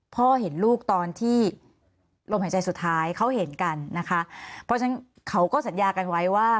พ่อเห็นลูกตอนที่ลมหายใจสุดท้ายเขาเห็นกันนะคะเพราะฉะนั้นเขาก็สัญญากันไว้ว่า